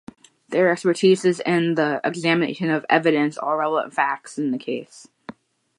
Their expertise is in the examination of evidence or relevant facts in the case.